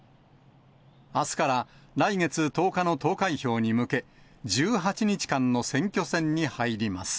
あすから来月１０日の投開票に向け、１８日間の選挙戦に入ります。